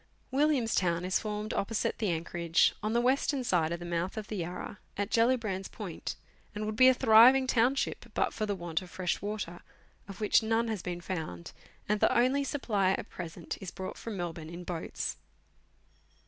Williams Town is formed opposite the anchorage, on the western side of the mouth of the Yarra, at Gellibrand's Point, and would be a thriving town ship but for the want of fresh water, of which none has been found, and the only supply at present is brought from Melbourne in boats.